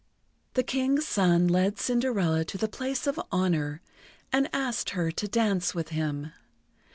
The King's son led Cinderella to the place of honour, and asked her to dance with him.